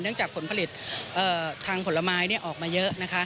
เนื่องจากผลผลิตทางผลไม้ออกมาเยอะ